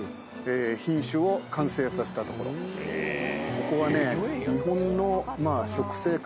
ここはね。